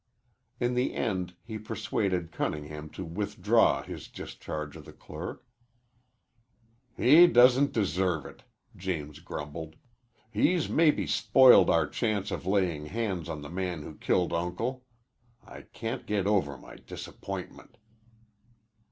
In the end he persuaded Cunningham to withdraw his discharge of the clerk. "He doesn't deserve it," James grumbled. "He's maybe spoiled our chance of laying hands on the man who killed Uncle. I can't get over my disappointment."